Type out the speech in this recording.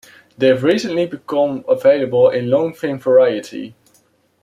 They have recently become available in a long-fin variety.